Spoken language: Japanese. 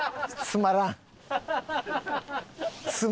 つまらん。